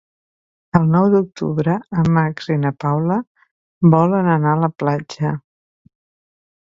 El nou d'octubre en Max i na Paula volen anar a la platja.